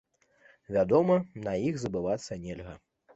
Вядома, на іх забывацца нельга.